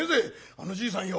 あのじいさんよ